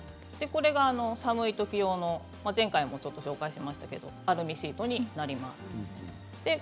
寒いとき用の前回も紹介しましたけれどもアルミシートになります。